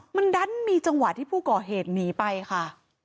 มันดันมีจังหวะที่ผู้ก่อเหตุหนีไปค่ะ